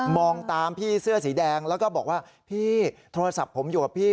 งตามพี่เสื้อสีแดงแล้วก็บอกว่าพี่โทรศัพท์ผมอยู่กับพี่